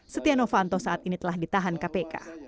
setia novanto saat ini telah ditahan kpk